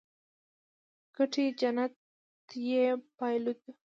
ګټلې جنت يې بايلودو.